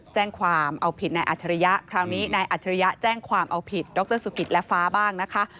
แจ้งความเอาผิดนายอัจฉริยะคราวนี้นายอัจฉริยะแจ้งความเอาผิดดรสุกิตและฟ้าบ้างนะคะ